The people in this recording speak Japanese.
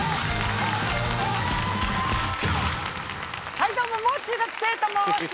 はいどうももう中学生と申します。